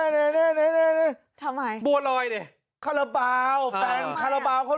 นูกังษัจเราว่ามันไม่รอบ